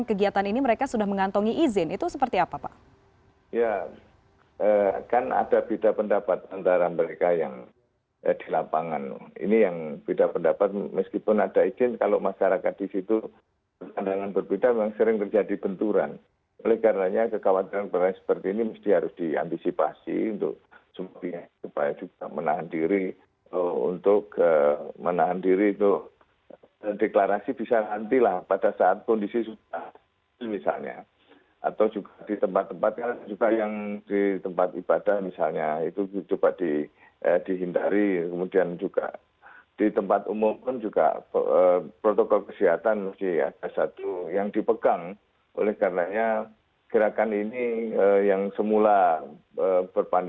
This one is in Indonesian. kemudian juga ada mahasiswa kemudian juga ada masyarakat